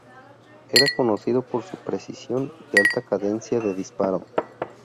Era conocido por su precisión y alta cadencia de disparo.